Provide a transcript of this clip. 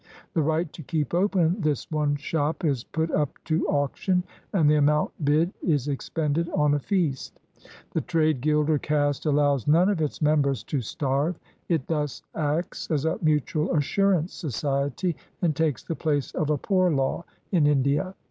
The right to keep open this one shop is put up to auction, and the amount bid is expended on a feast. The trade guild or caste allows none of its members to starve. It thus acts as a mutual assurance society and takes the place of a poor law in India.